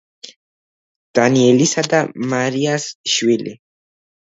დანიელისა და მარიას შვილი.